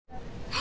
あ！